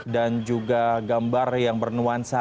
dan juga gambar yang bernuansa